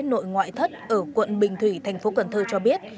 nội ngoại thất ở quận bình thủy tp cn cho biết